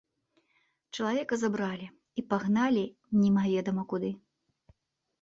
Чалавека забралі і пагналі немаведама куды.